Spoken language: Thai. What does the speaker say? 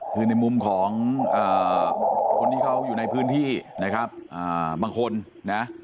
คือในมุมของคนที่เขาอยู่ในพื้นที่นะครับบางคนนะ